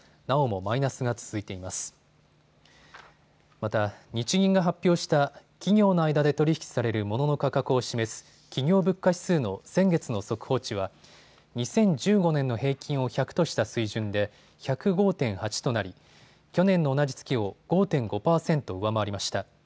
また、日銀が発表した企業の間で取り引きされるモノの価格を示す企業物価指数の先月の速報値は２０１５年の平均を１００とした水準で１０５．８となり去年の同じ月を５．５％上回りました。